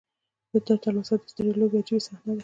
دا تلوسه د سترې لوبې عجیبه صحنه ده.